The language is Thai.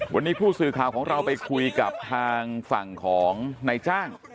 วันนี้ผู้สื่อข่าวของเราไปคุยกับทางฝั่งของนายจ้าง